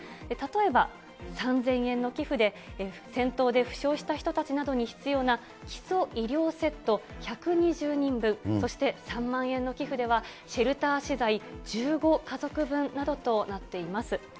例えば、３０００円の寄付で、戦闘で負傷した人たちなどに必要な基礎医療セット１２０人分、そして３万円の寄付では、シェルター資材１５家族分などとなっています。